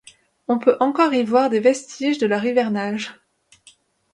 On peut encore y voir des vestiges de leur hivernage.